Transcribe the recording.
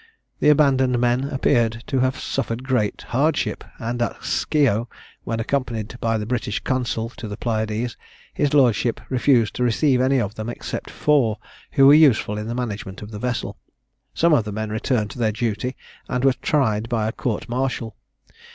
The abandoned men appear to have suffered great hardship; and at Scio, when accompanied by the British consul to the Pylades, his lordship refused to receive any of them except four, who were useful in the management of the vessel. Some of the men returned to their duty, and were tried by a court martial.